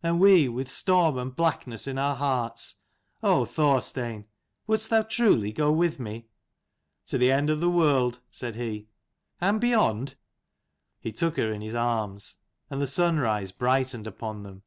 And we with storm and blackness in our hearts. Oh Thorstein, wouldst thou truly go with me ?"" To the end of the world," said he. "And beyond?" He took her in his arms, and the sunrise brightened upon them.